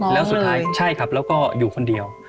แล้วสุดท้ายใช่ครับแล้วก็อยู่คนเดียว